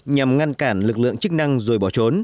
nhằm ngăn cản lực lượng chức năng rồi bỏ trốn